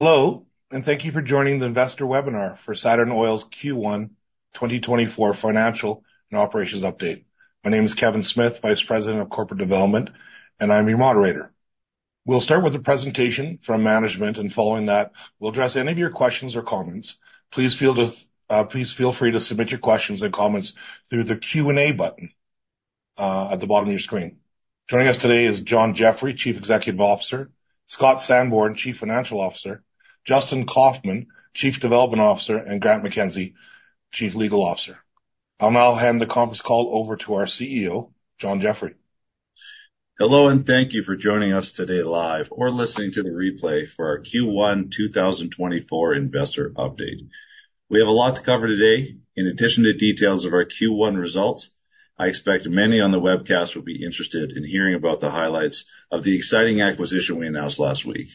Hello, and thank you for joining the investor webinar for Saturn Oil's Q1 2024 Financial and Operations Update. My name is Kevin Smith, Vice President of Corporate Development, and I'm your moderator. We'll start with a presentation from management, and following that, we'll address any of your questions or comments. Please feel free to submit your questions and comments through the Q&A button at the bottom of your screen. Joining us today is John Jeffrey, Chief Executive Officer, Scott Sanborn, Chief Financial Officer, Justin Kaufmann, Chief Development Officer, and Grant MacKenzie, Chief Legal Officer. I'll now hand the conference call over to our CEO, John Jeffrey. Hello, and thank you for joining us today live or listening to the replay for our Q1 2024 Investor Update. We have a lot to cover today. In addition to details of our Q1 results, I expect many on the webcast will be interested in hearing about the highlights of the exciting acquisition we announced last week,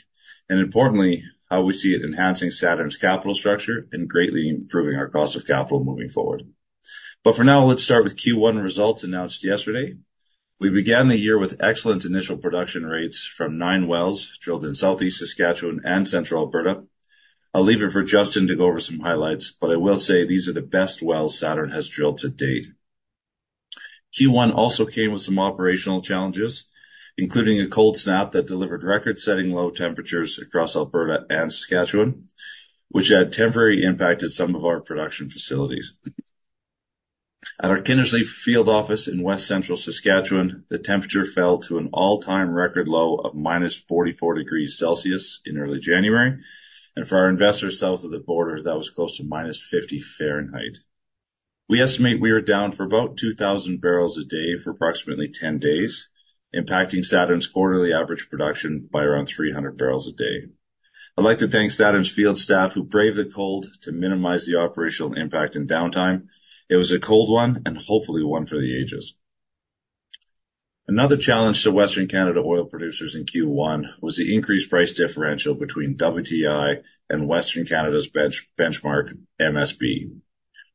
and importantly, how we see it enhancing Saturn's capital structure and greatly improving our cost of capital moving forward. For now, let's start with Q1 results announced yesterday. We began the year with excellent initial production rates from nine wells drilled in Southeast Saskatchewan and Central Alberta. I'll leave it for Justin to go over some highlights, but I will say these are the best wells Saturn has drilled to date. Q1 also came with some operational challenges, including a cold snap that delivered record-setting low temperatures across Alberta and Saskatchewan, which had temporarily impacted some of our production facilities. At our Kindersley field office in West Central Saskatchewan, the temperature fell to an all-time record low of -44 degrees Celsius in early January, and for our investors south of the border, that was close to -50 degrees Fahrenheit. We estimate we are down for about 2,000 barrels a day for approximately 10 days, impacting Saturn's quarterly average production by around 300 barrels a day. I'd like to thank Saturn's field staff, who braved the cold to minimize the operational impact and downtime. It was a cold one and hopefully one for the ages. Another challenge to Western Canada oil producers in Q1 was the increased price differential between WTI and Western Canada's benchmark MSW,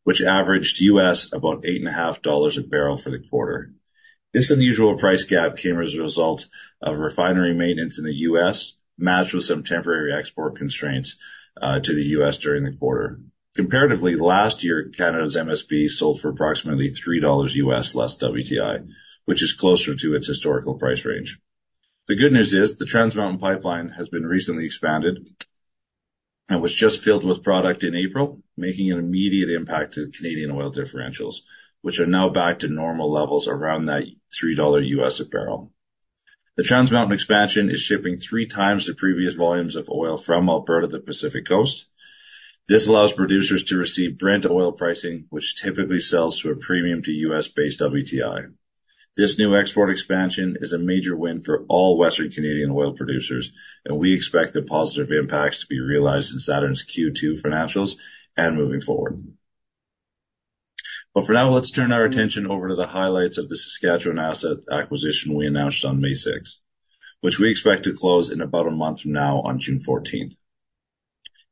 which averaged about $8.5 a barrel for the quarter. This unusual price gap came as a result of refinery maintenance in the U.S., matched with some temporary export constraints to the U.S. during the quarter. Comparatively, last year, Canada's MSW sold for approximately $3 less WTI, which is closer to its historical price range. The good news is the Trans Mountain pipeline has been recently expanded and was just filled with product in April, making an immediate impact to the Canadian oil differentials, which are now back to normal levels around that $3 a barrel. The Trans Mountain expansion is shipping 3x the previous volumes of oil from Alberta to the Pacific Coast. This allows producers to receive Brent oil pricing, which typically sells to a premium to U.S.-based WTI. This new export expansion is a major win for all Western Canadian oil producers, and we expect the positive impacts to be realized in Saturn's Q2 financials and moving forward. But for now, let's turn our attention over to the highlights of the Saskatchewan asset acquisition we announced on May sixth, which we expect to close in about a month from now, on June fourteenth.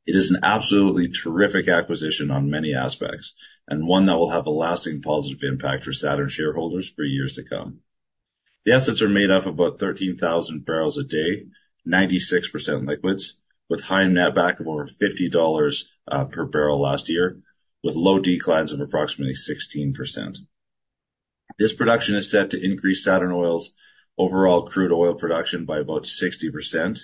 It is an absolutely terrific acquisition on many aspects, and one that will have a lasting positive impact for Saturn shareholders for years to come. The assets are made up of about 13,000 barrels a day, 96% liquids, with high netback of over $50 per barrel last year, with low declines of approximately 16%. This production is set to increase Saturn Oil & Gas's overall crude oil production by about 60%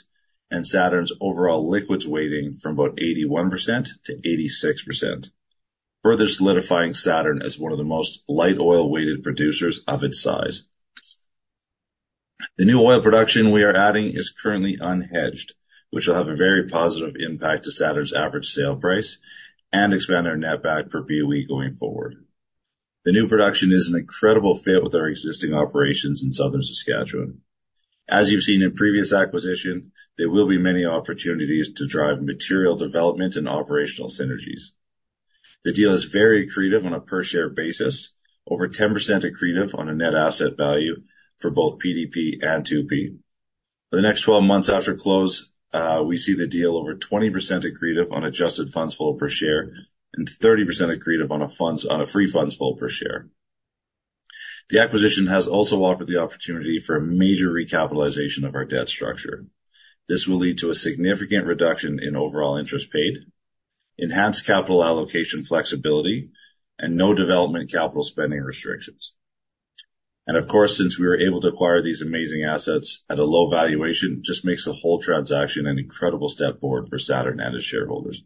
and Saturn Oil & Gas's overall liquids weighting from about 81% to 86%, further solidifying Saturn Oil & Gas as one of the most light oil-weighted producers of its size. The new oil production we are adding is currently unhedged, which will have a very positive impact to Saturn Oil & Gas's average sale price and expand our netback per BOE going forward. The new production is an incredible fit with our existing operations in southern Saskatchewan. As you've seen in previous acquisition, there will be many opportunities to drive material development and operational synergies. The deal is very accretive on a per-share basis, over 10% accretive on a net asset value for both PDP and 2P. For the next 12 months after close, we see the deal over 20% accretive on adjusted funds flow per share and 30% accretive on a free funds flow per share. The acquisition has also offered the opportunity for a major recapitalization of our debt structure. This will lead to a significant reduction in overall interest paid, enhanced capital allocation flexibility, and no development capital spending restrictions. And of course, since we were able to acquire these amazing assets at a low valuation, just makes the whole transaction an incredible step forward for Saturn and its shareholders.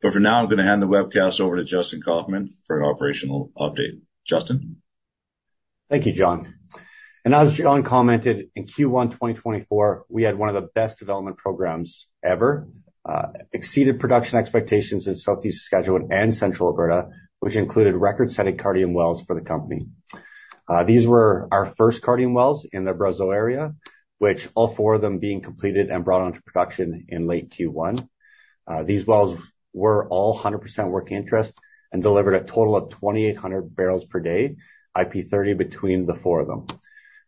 But for now, I'm gonna hand the webcast over to Justin Kauffman for an operational update. Justin? Thank you, John. As John commented, in Q1 2024, we had one of the best development programs ever, exceeded production expectations in Southeast Saskatchewan and Central Alberta, which included record-setting Cardium wells for the company. These were our first Cardium wells in the Brazeau area, which all four of them being completed and brought onto production in late Q1. These wells were all 100% working interest and delivered a total of 2,800 barrels per day, IP30 between the four of them.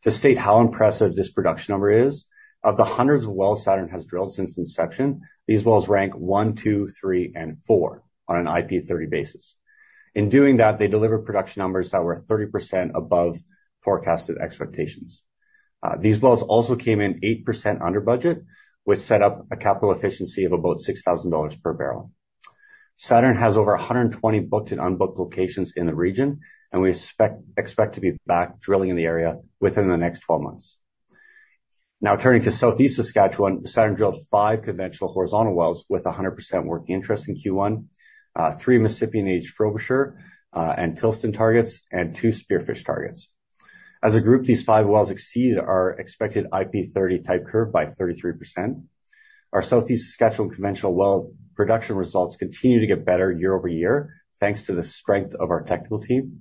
To state how impressive this production number is, of the hundreds of wells Saturn has drilled since inception, these wells rank 1, 2, 3, and 4 on an IP30 basis. In doing that, they delivered production numbers that were 30% above forecasted expectations. These wells also came in 8% under budget, which set up a capital efficiency of about $6,000 per barrel.... Saturn has over 120 booked and unbooked locations in the region, and we expect to be back drilling in the area within the next 12 months. Now, turning to Southeast Saskatchewan, Saturn drilled five conventional horizontal wells with 100% working interest in Q1, three Mississippian-age Frobisher and Tilston targets and two Spearfish targets. As a group, these five wells exceeded our expected IP30 type curve by 33%. Our Southeast Saskatchewan conventional well production results continue to get better year-over-year, thanks to the strength of our technical team.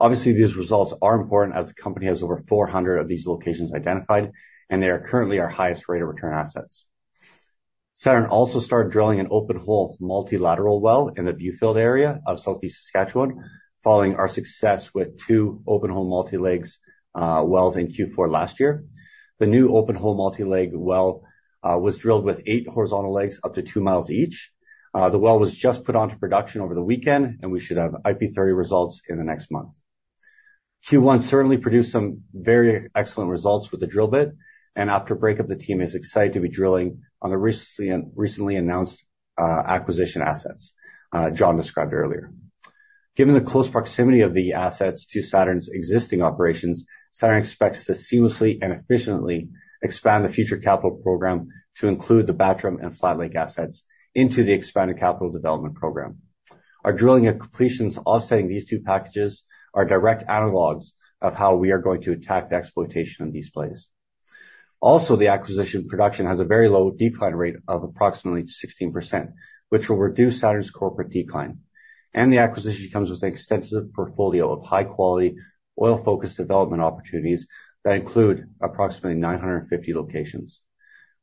Obviously, these results are important as the company has over 400 of these locations identified, and they are currently our highest rate of return assets. Saturn also started drilling an open hole multilateral well in the Viewfield area of Southeast Saskatchewan, following our success with two open hole multi-leg, wells in Q4 last year. The new open hole multi-leg well, was drilled with eight horizontal legs, up to 2 miles each. The well was just put onto production over the weekend, and we should have IP30 results in the next month. Q1 certainly produced some very excellent results with the drill bit, and after breakup, the team is excited to be drilling on the recently, recently announced, acquisition assets, John described earlier. Given the close proximity of the assets to Saturn's existing operations, Saturn expects to seamlessly and efficiently expand the future capital program to include the Battrum and Flat Lake assets into the expanded capital development program. Our drilling and completions offsetting these two packages are direct analogs of how we are going to attack the exploitation of these plays. Also, the acquisition production has a very low decline rate of approximately 16%, which will reduce Saturn's corporate decline, and the acquisition comes with an extensive portfolio of high quality, oil-focused development opportunities that include approximately 950 locations.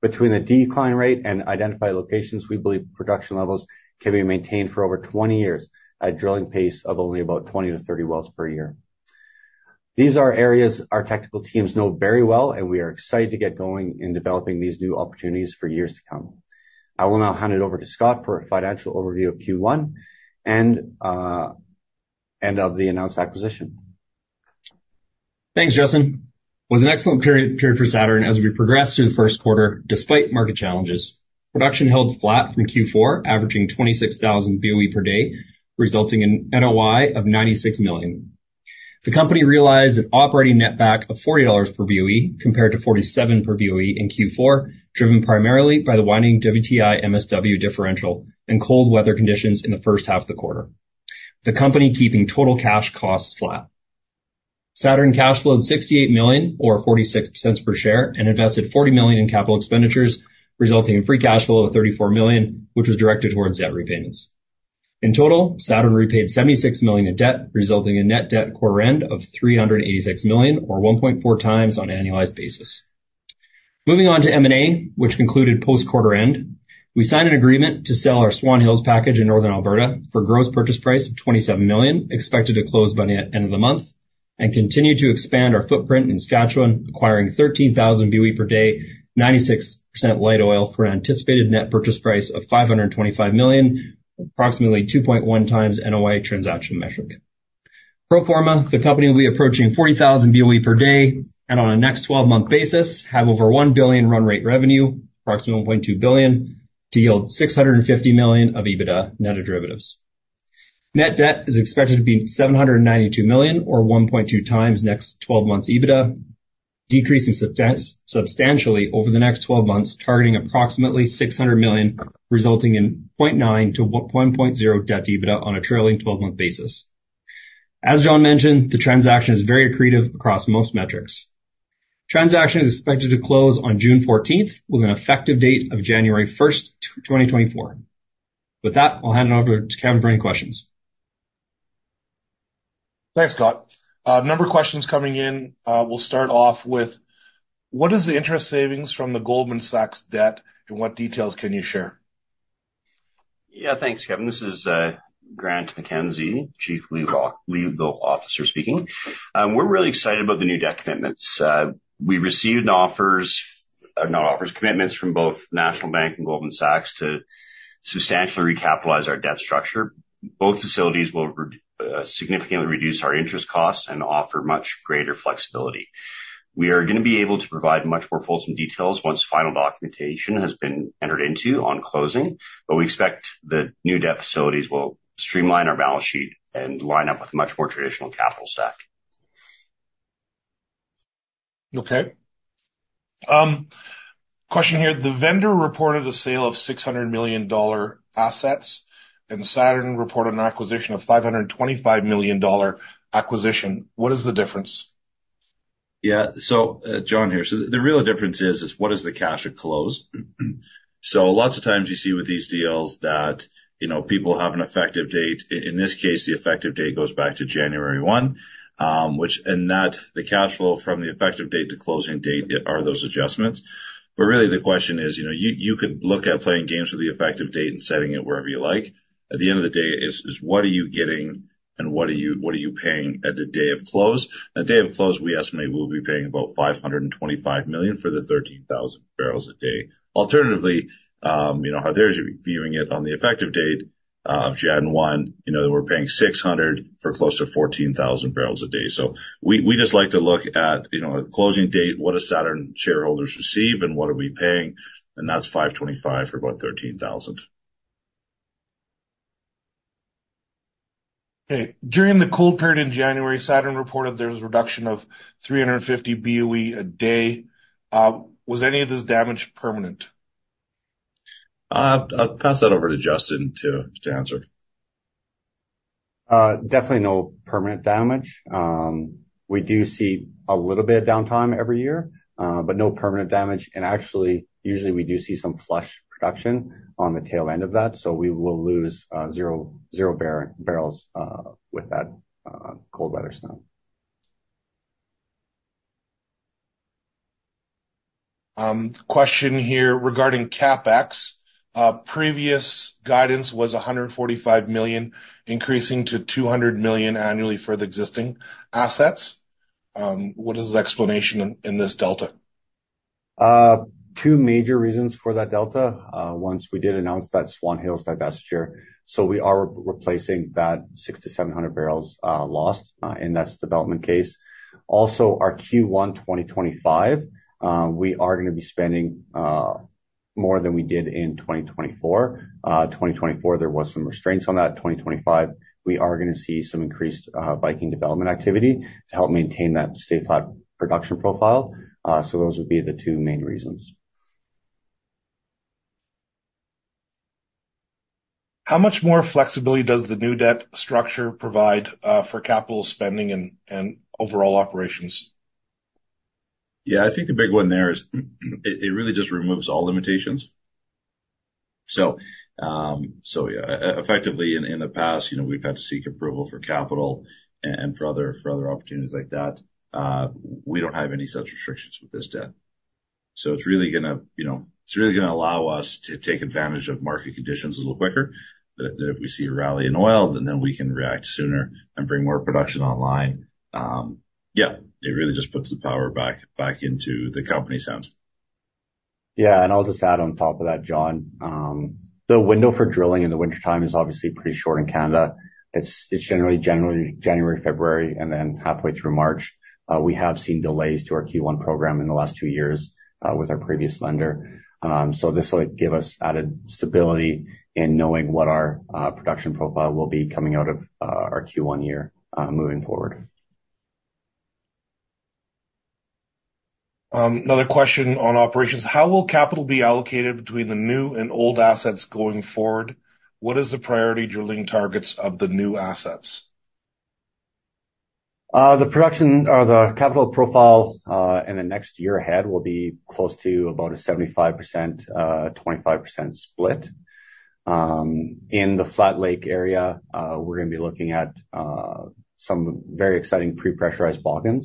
Between the decline rate and identified locations, we believe production levels can be maintained for over 20 years at a drilling pace of only about 20-30 wells per year. These are areas our technical teams know very well, and we are excited to get going in developing these new opportunities for years to come. I will now hand it over to Scott for a financial overview of Q1 and of the announced acquisition. Thanks, Justin. It was an excellent period for Saturn as we progressed through the first quarter, despite market challenges. Production held flat from Q4, averaging 26,000 BOE per day, resulting in NOI of 96 million. The company realized an operating netback of 40 dollars per BOE, compared to 47 per BOE in Q4, driven primarily by the widening WTI MSW differential and cold weather conditions in the first half of the quarter, the company keeping total cash costs flat. Saturn cash flowed 68 million or 0.46 per share and invested 40 million in capital expenditures, resulting in free cash flow of 34 million, which was directed towards debt repayments. In total, Saturn repaid 76 million in debt, resulting in net debt quarter-end of 386 million or 1.4 times on an annualized basis. Moving on to M&A, which concluded post-quarter end, we signed an agreement to sell our Swan Hills package in Northern Alberta for a gross purchase price of 27 million, expected to close by the end of the month, and continue to expand our footprint in Saskatchewan, acquiring 13,000 BOE per day, 96% light oil for an anticipated net purchase price of 525 million, approximately 2.1x NOI transaction metric. Pro forma, the company will be approaching 40,000 BOE per day, and on a next twelve-month basis, have over 1 billion run rate revenue, approximately 1.2 billion, to yield 650 million of EBITDA net of derivatives. Net debt is expected to be 792 million, or 1.2x next twelve months' EBITDA, decreasing substantially over the next twelve months, targeting approximately 600 million, resulting in 0.9-1.0 debt to EBITDA on a trailing twelve-month basis. As John mentioned, the transaction is very accretive across most metrics. Transaction is expected to close on June fourteenth, with an effective date of January first, 2024. With that, I'll hand it over to Kevin for any questions. Thanks, Scott. A number of questions coming in. We'll start off with: What is the interest savings from the Goldman Sachs debt, and what details can you share? Yeah, thanks, Kevin. This is Grant MacKenzie, Chief Legal Officer speaking. We're really excited about the new debt commitments. We received offers, not offers, commitments from both National Bank and Goldman Sachs to substantially recapitalize our debt structure. Both facilities will significantly reduce our interest costs and offer much greater flexibility. We are gonna be able to provide much more fulsome details once final documentation has been entered into on closing, but we expect the new debt facilities will streamline our balance sheet and line up with a much more traditional capital stack. Okay. Question here: The vendor reported a sale of $600 million assets, and Saturn reported an acquisition of $525 million acquisition. What is the difference? Yeah. So, John here. So the real difference is what is the cash at close? So lots of times you see with these deals that, you know, people have an effective date. In this case, the effective date goes back to January 1, which and that the cash flow from the effective date to closing date are those adjustments. But really, the question is, you know, you could look at playing games with the effective date and setting it wherever you like. At the end of the day, it's what are you getting and what are you paying at the day of close? At day of close, we estimate we'll be paying about 525 million for the 13,000 barrels a day. Alternatively, you know, how there's viewing it on the effective date of January 1, you know, that we're paying 600 for close to 14,000 barrels a day. So we just like to look at, you know, a closing date, what do Saturn shareholders receive and what are we paying, and that's 525 for about 13,000.... Hey, during the cold period in January, Saturn reported there was a reduction of 350 BOE a day. Was any of this damage permanent? I'll pass that over to Justin to answer. Definitely no permanent damage. We do see a little bit of downtime every year, but no permanent damage. Actually, usually, we do see some flush production on the tail end of that, so we will lose 0 barrels with that cold weather snow. Question here regarding CapEx. Previous guidance was 145 million, increasing to 200 million annually for the existing assets. What is the explanation in this delta? Two major reasons for that delta. Once we did announce that Swan Hills divestiture, so we are replacing that 600-700 barrels lost in this development case. Also, our Q1 2025, we are gonna be spending more than we did in 2024. 2024, there was some constraints on that. 2025, we are gonna see some increased Viking development activity to help maintain that steady flat production profile. So those would be the two main reasons. How much more flexibility does the new debt structure provide for capital spending and overall operations? Yeah, I think the big one there is, it really just removes all limitations. So, so yeah, effectively, in the past, you know, we've had to seek approval for capital and for other opportunities like that. We don't have any such restrictions with this debt. So it's really gonna, you know, it's really gonna allow us to take advantage of market conditions a little quicker, if we see a rally in oil, then we can react sooner and bring more production online. Yeah, it really just puts the power back into the company's hands. Yeah, and I'll just add on top of that, John. The window for drilling in the wintertime is obviously pretty short in Canada. It's generally January, February, and then halfway through March. We have seen delays to our Q1 program in the last two years with our previous lender. So this will give us added stability in knowing what our production profile will be coming out of our Q1 year moving forward. Another question on operations: How will capital be allocated between the new and old assets going forward? What is the priority drilling targets of the new assets? The production or the capital profile in the next year ahead will be close to about a 75%-25% split. In the Flat Lake area, we're gonna be looking at some very exciting re-pressurized Bakken.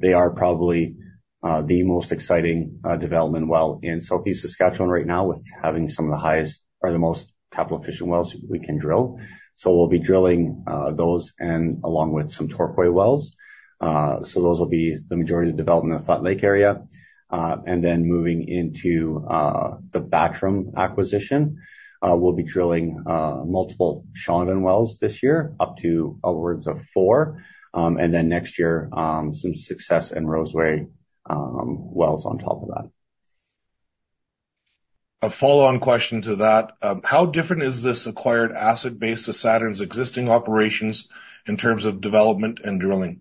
They are probably the most exciting development well in Southeast Saskatchewan right now, with having some of the highest or the most capital-efficient wells we can drill. So we'll be drilling those and along with some Torquay wells. So those will be the majority of the development in the Flat Lake area. And then moving into the Battrum acquisition, we'll be drilling multiple Shaunavon wells this year, up to upwards of four. And then next year, some success in Roseray wells on top of that. A follow-on question to that, how different is this acquired asset base to Saturn's existing operations in terms of development and drilling?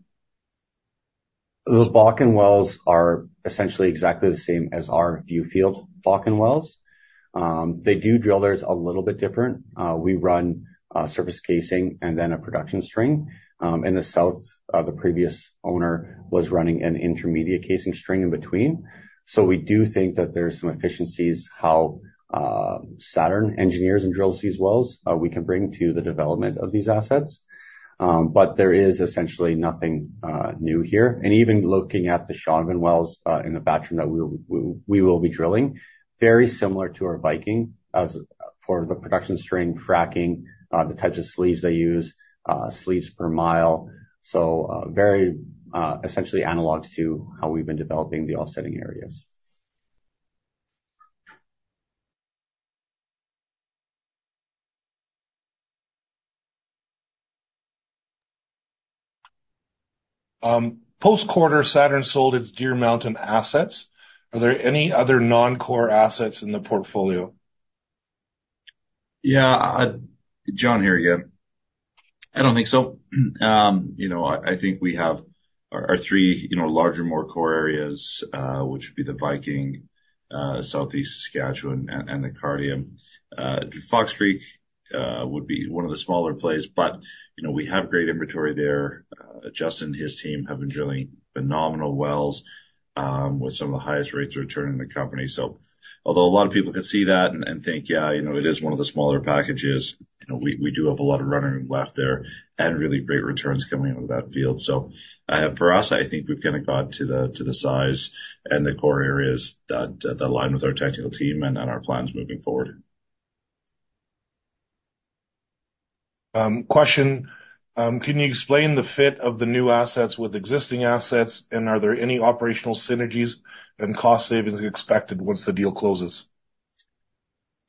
Those Bakken wells are essentially exactly the same as our Viewfield Bakken wells. They do drill theirs a little bit different. We run surface casing and then a production string. In the south, the previous owner was running an intermediate casing string in between. So we do think that there are some efficiencies how Saturn engineers and drills these wells we can bring to the development of these assets. But there is essentially nothing new here. And even looking at the Shaunavon wells in the Battrum that we will be drilling, very similar to our Viking as for the production string, fracking the types of sleeves they use sleeves per mile. So very essentially analogous to how we've been developing the offsetting areas. Post-quarter, Saturn sold its Deer Mountain assets. Are there any other non-core assets in the portfolio? Yeah, John here again. I don't think so. You know, I think we have our three, you know, larger, more core areas, which would be the Viking, Southeast Saskatchewan and the Cardium. Fox Creek would be one of the smaller plays, but, you know, we have great inventory there. Justin and his team have been drilling phenomenal wells, with some of the highest rates of return in the company. So although a lot of people could see that and think, yeah, you know, it is one of the smaller packages, you know, we do have a lot of running room left there and really great returns coming out of that field. For us, I think we've kind of got to the size and the core areas that align with our technical team and on our plans moving forward. Question, can you explain the fit of the new assets with existing assets, and are there any operational synergies and cost savings expected once the deal closes?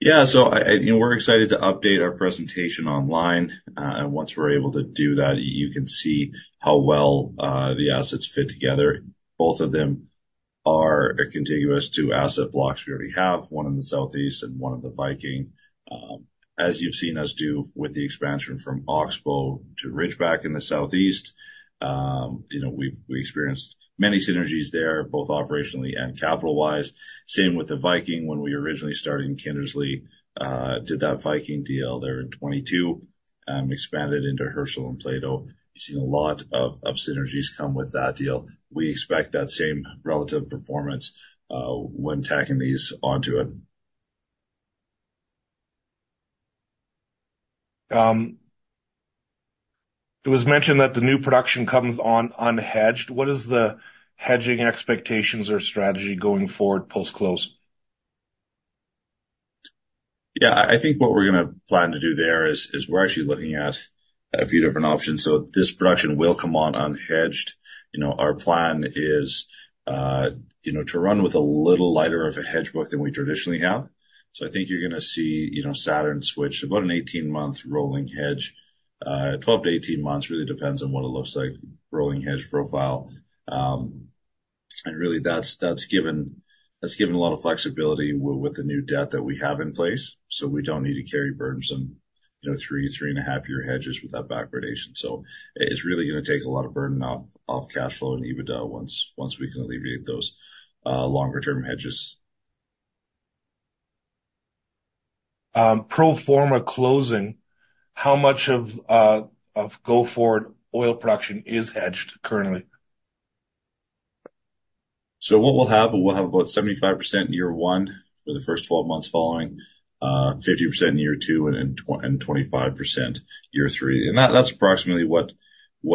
Yeah. So, you know, we're excited to update our presentation online, and once we're able to do that, you can see how well the assets fit together, both of them are contiguous to asset blocks. We already have one in the Southeast and one in the Viking. As you've seen us do with the expansion from Oxbow to Ridgeback in the Southeast, you know, we've experienced many synergies there, both operationally and capital-wise. Same with the Viking, when we originally started in Kindersley, did that Viking deal there in 2022, expanded into Herschel and Plato. We've seen a lot of synergies come with that deal. We expect that same relative performance, when tacking these onto it. It was mentioned that the new production comes on unhedged. What is the hedging expectations or strategy going forward post-close? Yeah, I think what we're gonna plan to do there is we're actually looking at a few different options. So this production will come on unhedged. You know, our plan is, you know, to run with a little lighter of a hedge book than we traditionally have. So I think you're gonna see, you know, Saturn switch to about an 18-month rolling hedge, twelve to eighteen months, really depends on what it looks like, rolling hedge profile. And really, that's given a lot of flexibility with the new debt that we have in place, so we don't need to carry burdensome, you know, 3-3.5-year hedges with that backwardation. So it's really gonna take a lot of burden off cash flow and EBITDA once we can alleviate those longer term hedges. Pro forma closing, how much of go forward oil production is hedged currently? So what we'll have, we'll have about 75% in year one for the first 12 months following, 50% in year two, and then 25% year three. And that, that's approximately what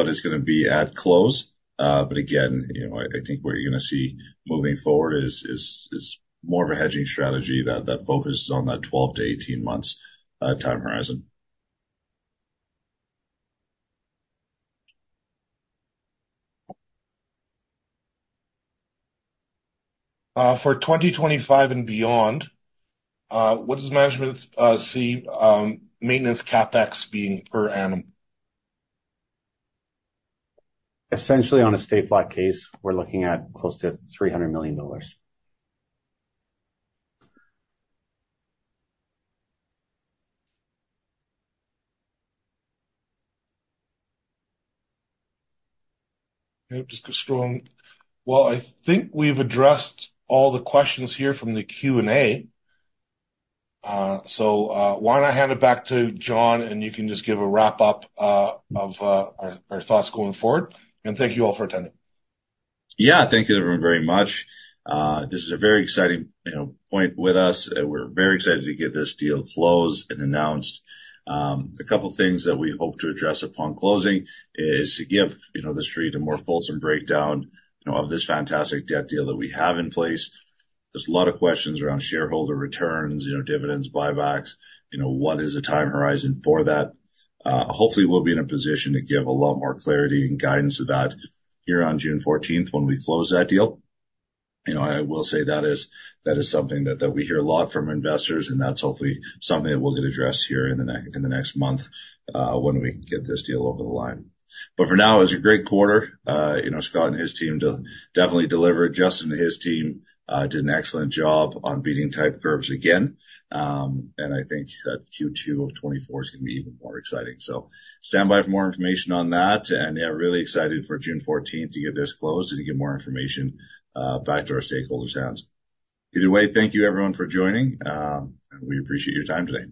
it's gonna be at close. But again, you know, I think what you're gonna see moving forward is more of a hedging strategy that focuses on that 12-18 months time horizon. For 2025 and beyond, what does management see maintenance CapEx being per annum? Essentially, on a stay flat case, we're looking at close to 300 million dollars. Just go strong. Well, I think we've addressed all the questions here from the Q&A. So, why don't I hand it back to John, and you can just give a wrap up of our thoughts going forward. And thank you all for attending. Yeah, thank you everyone very much. This is a very exciting, you know, point with us. We're very excited to get this deal closed and announced. A couple of things that we hope to address upon closing is to give, you know, the street a more fulsome breakdown, you know, of this fantastic debt deal that we have in place. There's a lot of questions around shareholder returns, you know, dividends, buybacks, you know, what is the time horizon for that? Hopefully, we'll be in a position to give a lot more clarity and guidance to that here on June fourteenth when we close that deal. You know, I will say that is something that we hear a lot from investors, and that's hopefully something that will get addressed here in the next month when we get this deal over the line. But for now, it's a great quarter. You know, Scott and his team definitely delivered. Justin and his team did an excellent job on beating type curves again. And I think that Q2 of 2024 is gonna be even more exciting. So stand by for more information on that. And, yeah, really excited for June fourteenth to get this closed and to get more information back to our stakeholders' hands. Either way, thank you, everyone, for joining. We appreciate your time today.